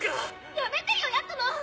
やめてよヤクモ！